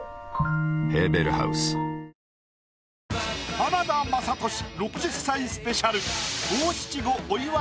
浜田雅功６０歳スペシャル。